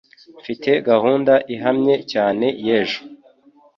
Mfite gahunda ihamye cyane y'ejo.